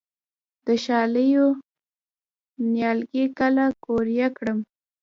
د شالیو نیالګي کله قوریه کړم؟